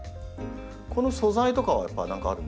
この素材とかはやっぱり何かあるんですか？